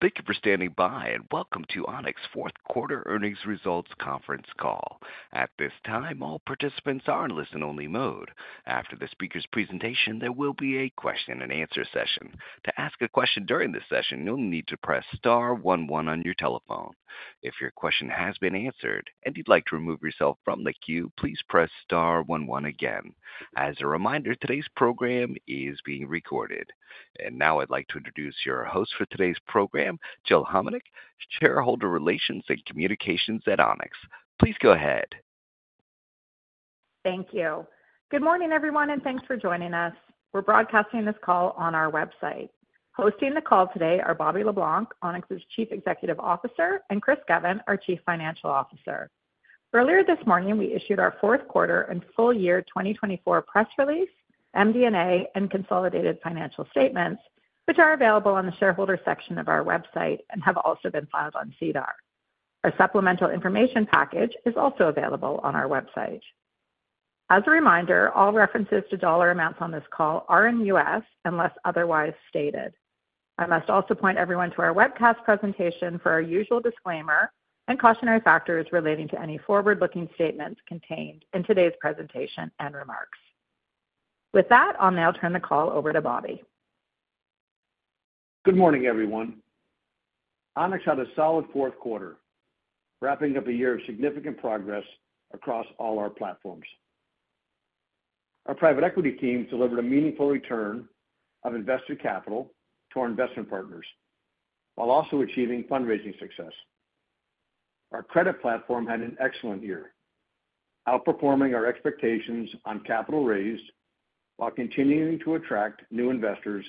Thank you for standing by and welcome to ONEX Fourth Quarter Earnings Results Conference Call. At this time, all participants are in listen-only mode. After the speaker's presentation, there will be a Q&A session. To ask a question during this session, you'll need to press star one one on your telephone. If your question has been answered and you'd like to remove yourself from the queue, please press star one one again. As a reminder, today's program is being recorded. And now I'd like to introduce your host for today's program, Jill Homenuk, Shareholder Relations and Communications at ONEX. Please go ahead. Thank you. Good morning, everyone, and thanks for joining us. We're broadcasting this call on our website. Hosting the call today are Bobby LeBlanc, ONEX's Chief Executive Officer, and Chris Govan, our Chief Financial Officer. Earlier this morning, we issued our Fourth Quarter and Full Year 2024 Press Release, MD&A, and Consolidated Financial Statements, which are available on the shareholder section of our website and have also been filed on SEDAR. Our Supplemental Information Package is also available on our website. As a reminder, all references to dollar amounts on this call are in U.S. unless otherwise stated. I must also point everyone to our Webcast presentation for our usual disclaimer and cautionary factors relating to any forward-looking statements contained in today's presentation and remarks. With that, I'll now turn the call over to Bobby. Good morning, everyone. ONEX had a solid fourth quarter, wrapping up a year of significant progress across all our platforms. Our private equity team delivered a meaningful return of investor capital to our investment partners, while also achieving fundraising success. Our credit platform had an excellent year, outperforming our expectations on capital raised while continuing to attract new investors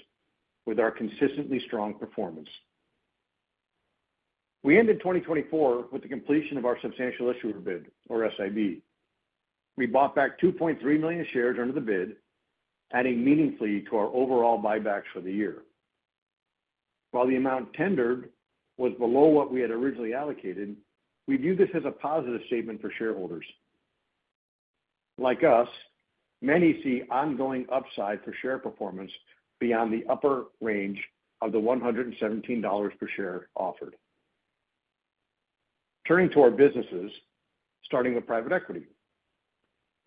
with our consistently strong performance. We ended 2024 with the completion of our Substantial Issuer Bid, or SIB. We bought back 2.3 million shares under the bid, adding meaningfully to our overall buybacks for the year. While the amount tendered was below what we had originally allocated, we view this as a positive statement for shareholders. Like us, many see ongoing upside for share performance beyond the upper range of the $117 per share offered. Turning to our businesses, starting with private equity.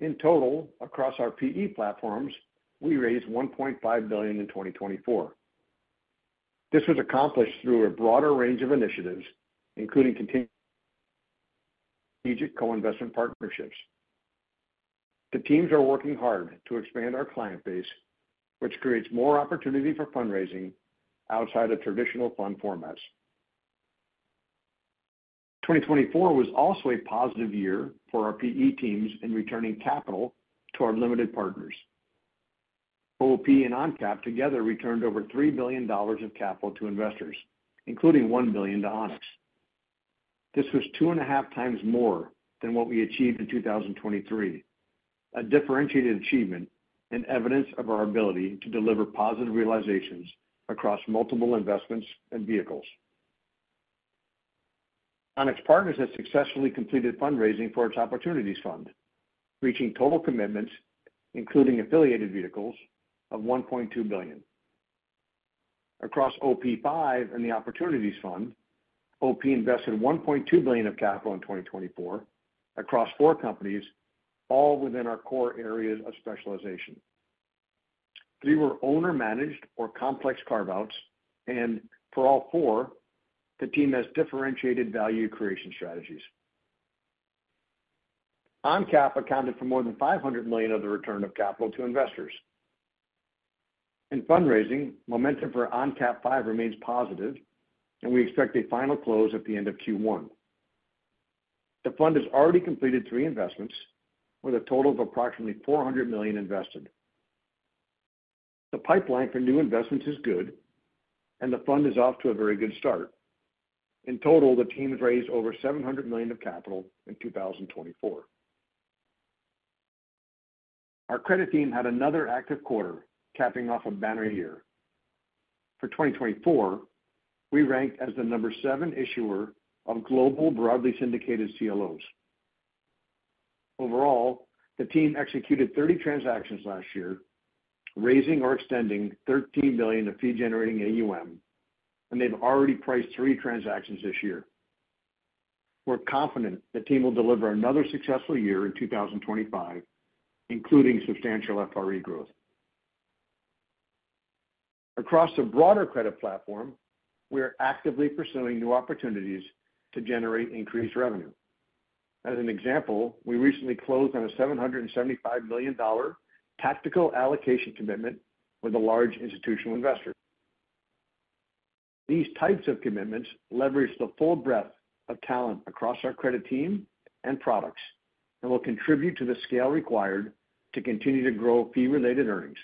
In total, across our PE platforms, we raised $1.5 billion in 2024. This was accomplished through a broader range of initiatives, including strategic co-investment partnerships. The teams are working hard to expand our client base, which creates more opportunity for fundraising outside of traditional fund formats. 2024 was also a positive year for our PE teams in returning capital to our limited partners. OP and ONCAP together returned over $3 billion of capital to investors, including $1 billion to ONEX. This was two and a half times more than what we achieved in 2023, a differentiated achievement and evidence of our ability to deliver positive realizations across multiple investments and vehicles. ONEX Partners has successfully completed fundraising for its Opportunities Fund, reaching total commitments, including affiliated vehicles, of $1.2 billion. Across OP5 and the Opportunities Fund, OP invested $1.2 billion of capital in 2024 across four companies, all within our core areas of specialization. Three were owner-managed or complex carve-outs, and for all four, the team has differentiated value creation strategies. ONCAP accounted for more than $500 million of the return of capital to investors. In fundraising, momentum for ONCAP V remains positive, and we expect a final close at the end of Q1. The fund has already completed three investments with a total of approximately $400 million invested. The pipeline for new investments is good, and the fund is off to a very good start. In total, the team has raised over $700 million of capital in 2024. Our credit team had another active quarter, capping off a banner year. For 2024, we ranked as the number seven issuer of global broadly syndicated CLOs. Overall, the team executed 30 transactions last year, raising or extending $13 billion of fee-generating AUM, and they've already priced three transactions this year. We're confident the team will deliver another successful year in 2025, including substantial FRE growth. Across the broader credit platform, we are actively pursuing new opportunities to generate increased revenue. As an example, we recently closed on a $775 million tactical allocation commitment with a large institutional investor. These types of commitments leverage the full breadth of talent across our credit team and products and will contribute to the scale required to continue to grow fee-related earnings.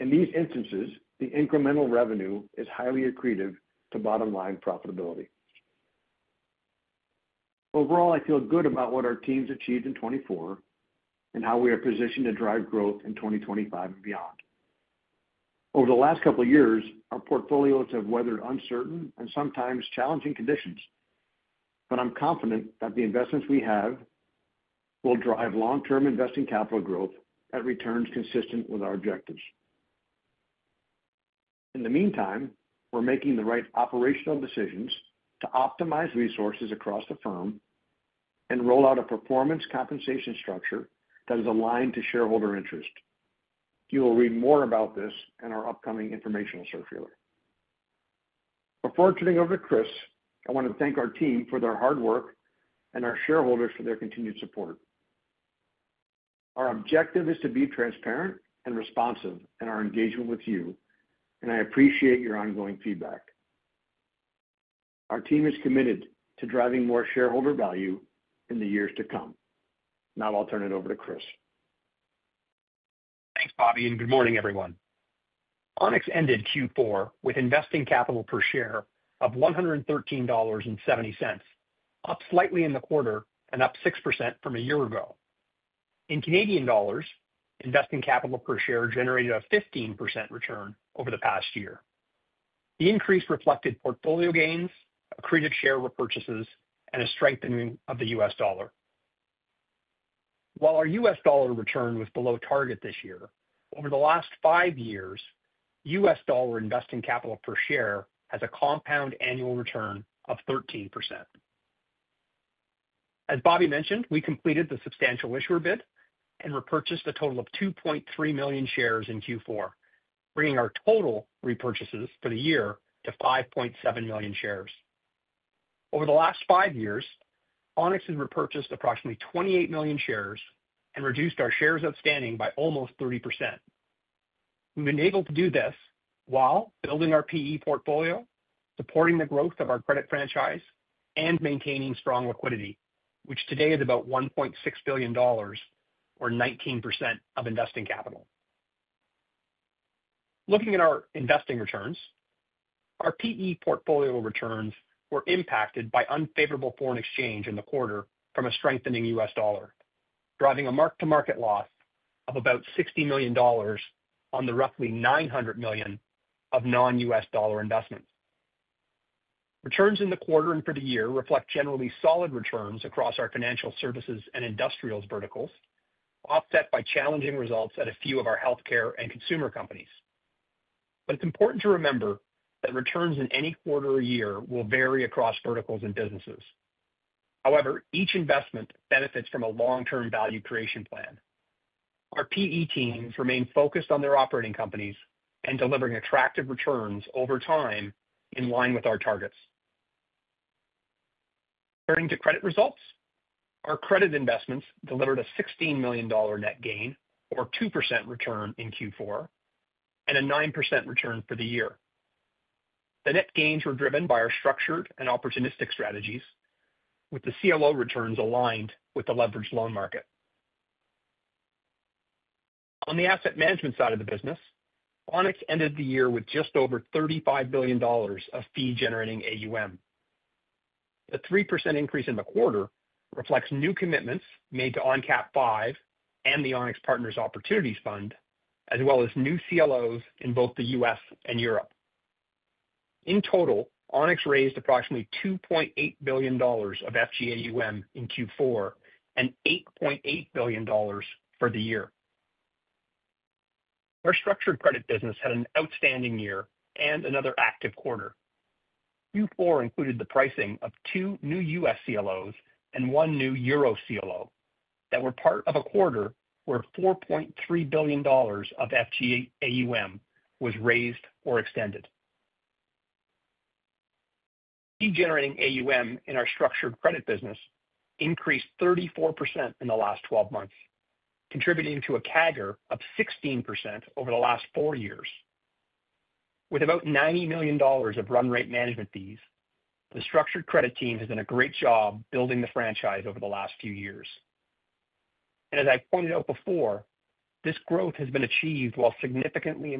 In these instances, the incremental revenue is highly accretive to bottom-line profitability. Overall, I feel good about what our teams achieved in 2024 and how we are positioned to drive growth in 2025 and beyond. Over the last couple of years, our portfolios have weathered uncertain and sometimes challenging conditions, but I'm confident that the investments we have will drive long-term investing capital growth at returns consistent with our objectives. In the meantime, we're making the right operational decisions to optimize resources across the firm and roll out a performance compensation structure that is aligned to shareholder interest. You will read more about this in our upcoming informational circular. Before turning over to Chris, I want to thank our team for their hard work and our shareholders for their continued support. Our objective is to be transparent and responsive in our engagement with you, and I appreciate your ongoing feedback. Our team is committed to driving more shareholder value in the years to come. Now I'll turn it over to Chris. Thanks, Bobby, and good morning, everyone. ONEX ended Q4 with investing capital per share of $113.70, up slightly in the quarter and up 6% from a year ago. In Canadian dollars, investing capital per share generated a 15% return over the past year. The increase reflected portfolio gains, accretive share repurchases, and a strengthening of the U.S. dollar. While our U.S. dollar return was below target this year, over the last five years, U.S. dollar investing capital per share has a compound annual return of 13%. As Bobby mentioned, we completed the Substantial Issuer Bid and repurchased a total of 2.3 million shares in Q4, bringing our total repurchases for the year to 5.7 million shares. Over the last five years, ONEX has repurchased approximately 28 million shares and reduced our shares outstanding by almost 30%. We've been able to do this while building our PE portfolio, supporting the growth of our credit franchise, and maintaining strong liquidity, which today is about $1.6 billion, or 19% of investing capital. Looking at our investing returns, our PE portfolio returns were impacted by unfavorable foreign exchange in the quarter from a strengthening U.S. dollar, driving a mark-to-market loss of about $60 million on the roughly $900 million of non-U.S. dollar investments. Returns in the quarter and for the year reflect generally solid returns across our financial services and industrials verticals, offset by challenging results at a few of our healthcare and consumer companies. But it's important to remember that returns in any quarter or year will vary across verticals and businesses. However, each investment benefits from a long-term value creation plan. Our PE teams remain focused on their operating companies and delivering attractive returns over time in line with our targets. Turning to credit results, our credit investments delivered a $16 million net gain, or 2% return in Q4, and a 9% return for the year. The net gains were driven by our structured and opportunistic strategies, with the CLO returns aligned with the leveraged loan market. On the asset management side of the business, ONEX ended the year with just over $35 billion of fee-generating AUM. The 3% increase in the quarter reflects new commitments made to ONCAP V and the ONEX Partners Opportunities Fund, as well as new CLOs in both the U.S. and Europe. In total, ONEX raised approximately $2.8 billion of FGAUM in Q4 and $8.8 billion for the year. Our structured credit business had an outstanding year and another active quarter. Q4 included the pricing of two new U.S. CLOs and one new Euro CLO that were part of a quarter where $4.3 billion of FGAUM was raised or extended. Fee-generating AUM in our structured credit business increased 34% in the last 12 months, contributing to a CAGR of 16% over the last four years. With about $90 million of run rate management fees, the structured credit team has done a great job building the franchise over the last few years. And as I pointed out before, this growth has been achieved while significantly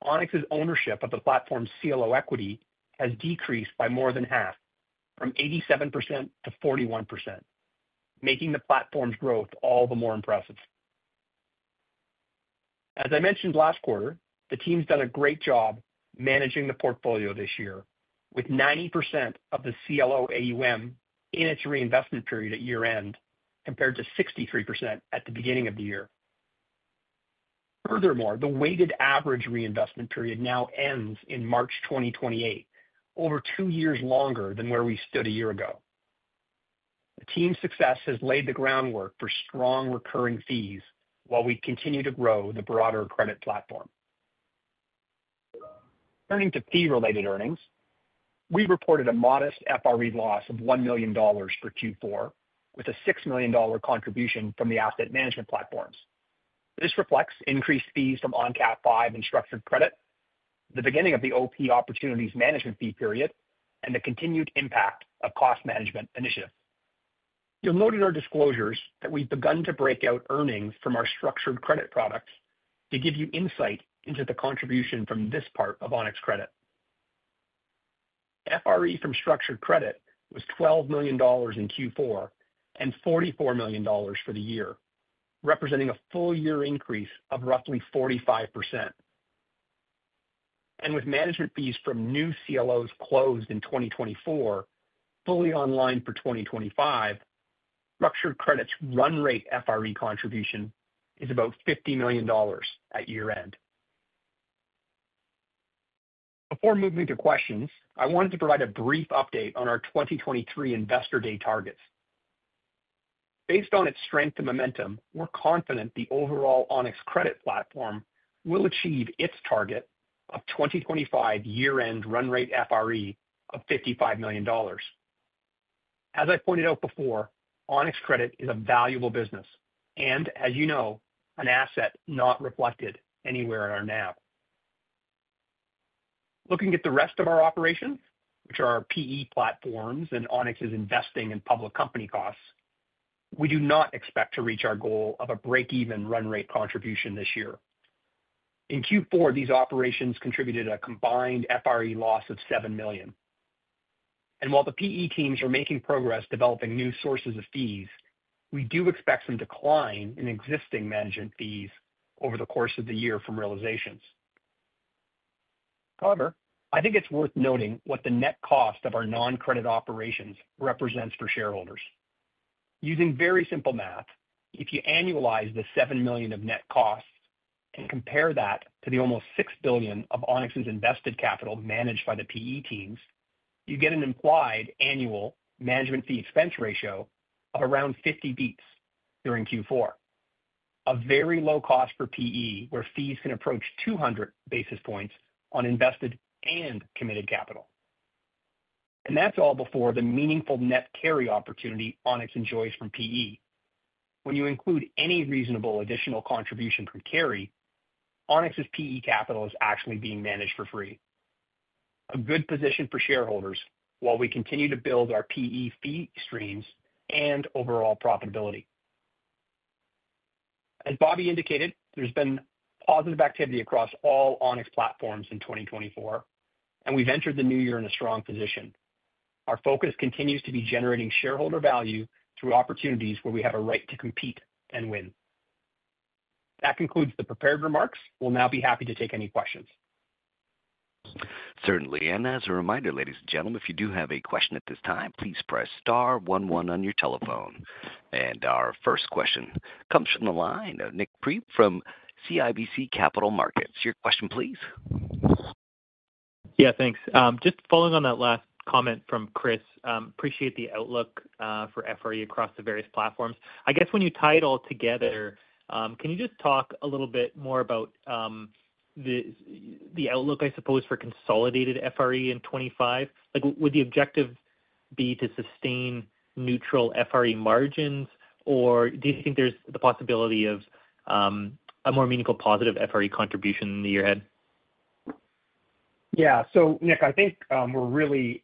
improving the platform's capital efficiency. Since 2020, ONEX's ownership of the platform's CLO equity has decreased by more than half, from 87% to 41%, making the platform's growth all the more impressive. As I mentioned last quarter, the team's done a great job managing the portfolio this year, with 90% of the CLO AUM in its reinvestment period at year-end compared to 63% at the beginning of the year. Furthermore, the weighted average reinvestment period now ends in March 2028, over two years longer than where we stood a year ago. The team's success has laid the groundwork for strong recurring fees while we continue to grow the broader credit platform. Turning to fee-related earnings, we reported a modest FRE loss of $1 million for Q4, with a $6 million contribution from the asset management platforms. This reflects increased fees from ONCAP V and structured credit, the beginning of the OP Opportunities Management Fee period, and the continued impact of cost management initiatives. You'll note in our disclosures that we've begun to break out earnings from our structured credit products to give you insight into the contribution from this part of ONEX Credit. FRE from structured credit was $12 million in Q4 and $44 million for the year, representing a full-year increase of roughly 45%, and with management fees from new CLOs closed in 2024 fully online for 2025, structured credit's run rate FRE contribution is about $50 million at year-end. Before moving to questions, I wanted to provide a brief update on our 2023 Investor Day targets. Based on its strength and momentum, we're confident the overall ONEX Credit platform will achieve its target of 2025 year-end run rate FRE of $55 million. As I pointed out before, ONEX Credit is a valuable business and, as you know, an asset not reflected anywhere in our NAV. Looking at the rest of our operations, which are our PE platforms and ONEX's investing and public company costs, we do not expect to reach our goal of a break-even run rate contribution this year. In Q4, these operations contributed a combined FRE loss of $7 million. And while the PE teams are making progress developing new sources of fees, we do expect some decline in existing management fees over the course of the year from realizations. However, I think it's worth noting what the net cost of our non-credit operations represents for shareholders. Using very simple math, if you annualize the $7 million of net costs and compare that to the almost $6 billion of ONEX's invested capital managed by the PE teams, you get an implied annual management fee expense ratio of around 50 basis points during Q4, a very low cost for PE where fees can approach 200 basis points on invested and committed capital. That's all before the meaningful net carry opportunity ONEX enjoys from PE. When you include any reasonable additional contribution from carry, ONEX's PE capital is actually being managed for free. A good position for shareholders while we continue to build our PE fee streams and overall profitability. As Bobby indicated, there's been positive activity across all ONEX platforms in 2024, and we've entered the new year in a strong position. Our focus continues to be generating shareholder value through opportunities where we have a right to compete and win. That concludes the prepared remarks. We'll now be happy to take any questions. Certainly. And as a reminder, ladies and gentlemen, if you do have a question at this time, please press star 11 on your telephone. And our first question comes from the line of Nik Priebe from CIBC Capital Markets. Your question, please. Thanks. Just following on that last comment from Chris. Appreciate the outlook for FRE across the various platforms. I guess when you tie it all together, can you just talk a little bit more about the outlook, I suppose, for consolidated FRE in 2025? Would the objective be to sustain neutral FRE margins, or do you think there's the possibility of a more meaningful positive FRE contribution in the year ahead? So, Nik, I think we're really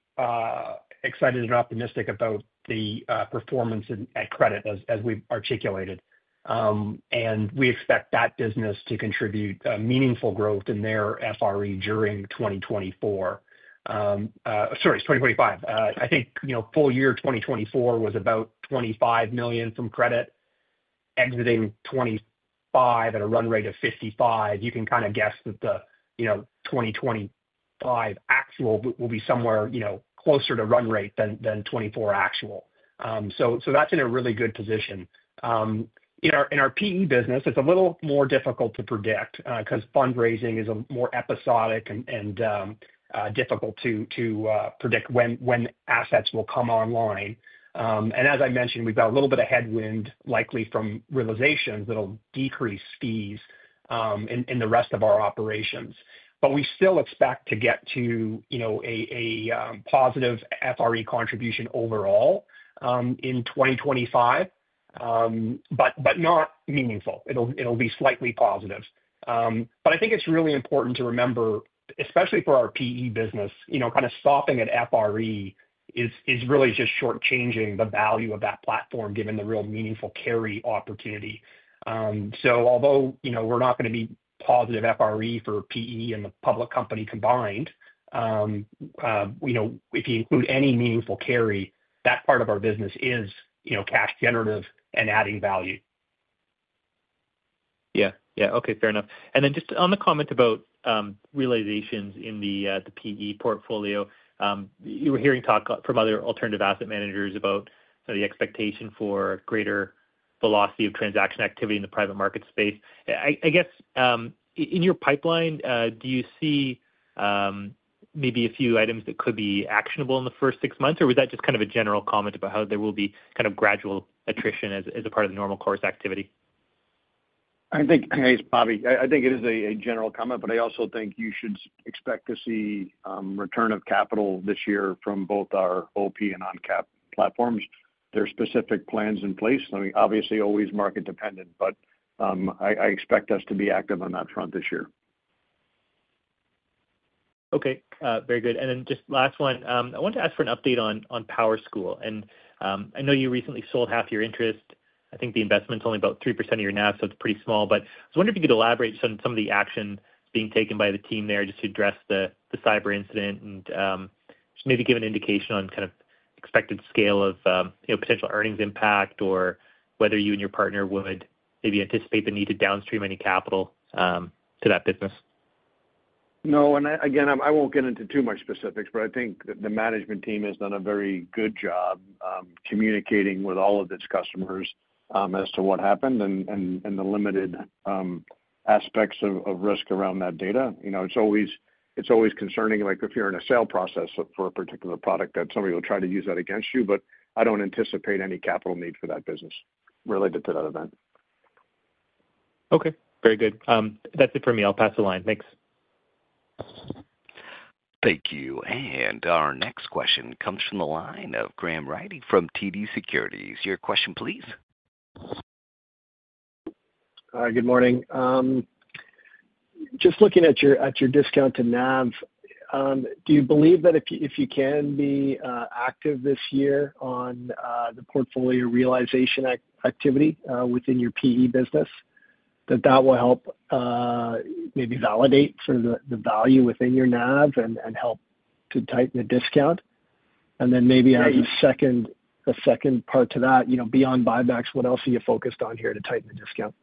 excited and optimistic about the performance at Credit as we've articulated, and we expect that business to contribute meaningful growth in their FRE during 2024. Sorry, 2025. I think full year 2024 was about $25 million from Credit, exiting 2025 at a run rate of 55. You can guess that the 2025 actual will be somewhere closer to run rate than 2024 actual. So that's in a really good position. In our PE business, it's a little more difficult to predict because fundraising is more episodic and difficult to predict when assets will come online, and as I mentioned, we've got a little bit of headwind likely from realizations that'll decrease fees in the rest of our operations, but we still expect to get to a positive FRE contribution overall in 2025, but not meaningful. It'll be slightly positive. But I think it's really important to remember, especially for our PE business, softening at FRE is really just shortchanging the value of that platform given the real meaningful carry opportunity. So although we're not going to be positive FRE for PE and the public company combined, if you include any meaningful carry, that part of our business is cash-generative and adding value. Fair enough. And then just on the comment about realizations in the PE portfolio, you were hearing talk from other alternative asset managers about the expectation for greater velocity of transaction activity in the private market space. In your pipeline, do you see maybe a few items that could be actionable in the first six months, or was that just a general comment about how there will be gradual attrition as a part of the normal course activity? Bobby, I think it is a general comment, but I also think you should expect to see return of capital this year from both our OP and ONCAP platforms. There are specific plans in place. Obviously, always market-dependent, but I expect us to be active on that front this year. Very good. And then just last one, I wanted to ask for an update on PowerSchool. And I know you recently sold half your interest. I think the investment's only about 3% of your NAV, so it's pretty small. But I was wondering if you could elaborate on some of the action being taken by the team there just to address the cyber incident and just maybe give an indication on expected scale of potential earnings impact or whether you and your partner would maybe anticipate the need to downstream any capital to that business? No. Again, I won't get into too much specifics, but I think the management team has done a very good job communicating with all of its customers as to what happened and the limited aspects of risk around that data. It's always concerning, like if you're in a sale process for a particular product, that somebody will try to use that against you, but I don't anticipate any capital need for that business related to that event. Very good. That's it for me. I'll pass the line. Thanks. Thank you. And our next question comes from the line of Graham Ryding from TD Securities. Your question, please. Hi. Good morning. Just looking at your discount to NAV, do you believe that if you can be active this year on the portfolio realization activity within your PE business, that that will help maybe validate the value within your NAV and help to tighten the discount? And then maybe as a second part to that, beyond buybacks, what else are you focused on here to tighten the discount?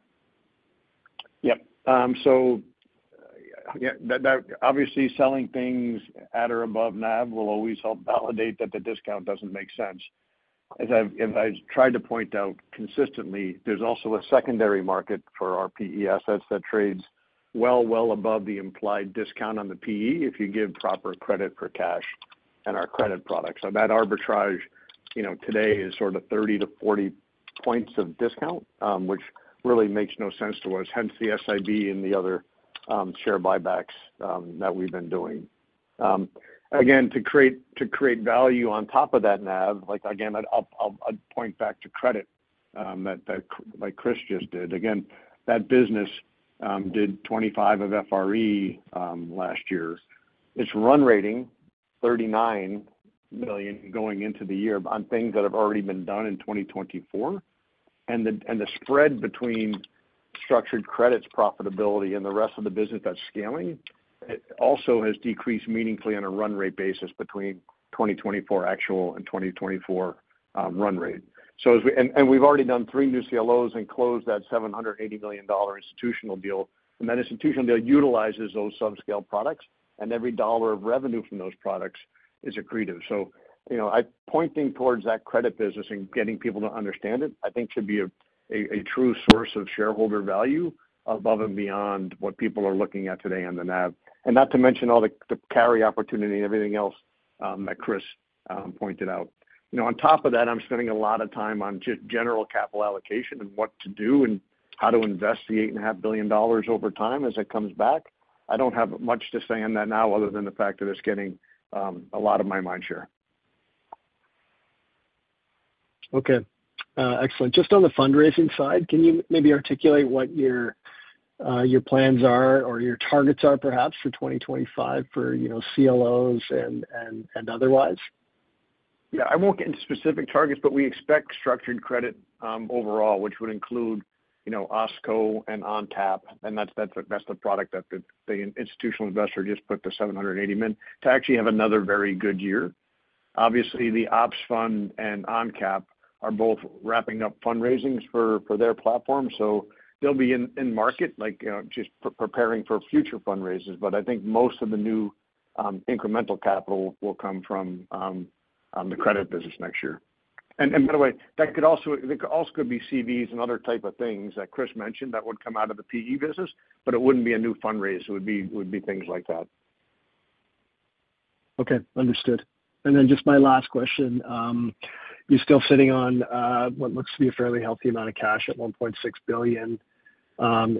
So obviously, selling things at or above NAV will always help validate that the discount doesn't make sense. As I've tried to point out consistently, there's also a secondary market for our PE assets that trades well, well above the implied discount on the PE if you give proper credit for cash and our credit products. So that arbitrage today is 30-40 points of discount, which really makes no sense to us, hence the SIB and the other share buybacks that we've been doing. Again, to create value on top of that NAV, again, I'll point back to Credit like Chris just did. Again, that business did $25 million of FRE last year. Its run rate, $39 million going into the year on things that have already been done in 2024. The spread between structured credit's profitability and the rest of the business that's scaling also has decreased meaningfully on a run rate basis between 2024 actual and 2024 run rate. And we've already done three new CLOs and closed that $780 million institutional deal. And that institutional deal utilizes those subscale products, and every dollar of revenue from those products is accretive. Pointing towards that credit business and getting people to understand it, I think should be a true source of shareholder value above and beyond what people are looking at today on the nav. And not to mention all the carry opportunity and everything else that Chris pointed out. On top of that, I'm spending a lot of time on just general capital allocation and what to do and how to invest the $8.5 billion over time as it comes back. I don't have much to say on that now other than the fact that it's getting a lot of my mind share. Okay. Excellent. Just on the fundraising side, can you maybe articulate what your plans are or your targets are, perhaps, for 2025 for CLOs and otherwise? I won't get into specific targets, but we expect structured credit overall, which would include Osko and ONCAP. And that's the product that the institutional investor just put the $780 million to actually have another very good year. Obviously, the Ops fund and Oncap are both wrapping up fundraisings for their platform. So they'll be in market, just preparing for future fundraisers. But I think most of the new incremental capital will come from the credit business next year. And by the way, that could also be CVs and other types of things that Chris mentioned that would come out of the PE business, but it wouldn't be a new fundraiser. It would be things like that. Understood. And then just my last question. You're still sitting on what looks to be a fairly healthy amount of cash at $1.6 billion.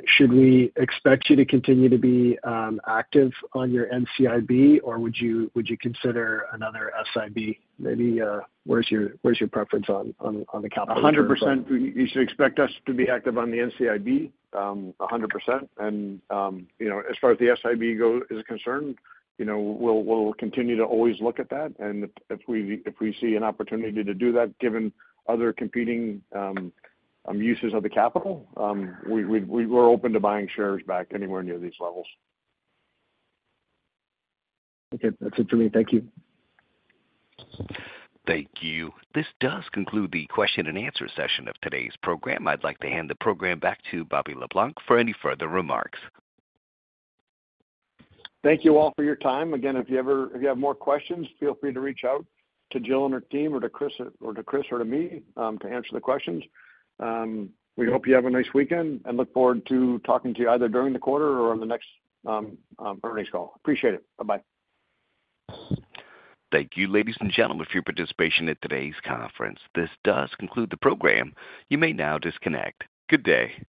Should we expect you to continue to be active on your NCIB, or would you consider another SIB? Maybe where's your preference on the capital? 100%. You should expect us to be active on the NCIB, 100%, and as far as the SIB is concerned, we'll continue to always look at that, and if we see an opportunity to do that, given other competing uses of the capital, we're open to buying shares back anywhere near these levels. That's it for me. Thank you. Thank you. This does conclude the Q&A session of today's program. I'd like to hand the program back to Bobby LeBlanc for any further remarks. Thank you all for your time. Again, if you have more questions, feel free to reach out to Jill and her team or to Chris or to me to answer the questions. We hope you have a nice weekend and look forward to talking to you either during the quarter or on the next earnings call. Appreciate it. Bye-bye. Thank you, ladies and gentlemen, for your participation in today's conference. This does conclude the program. You may now disconnect. Good day.